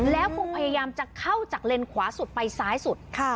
แล้วคงพยายามจะเข้าจากเลนขวาสุดไปซ้ายสุด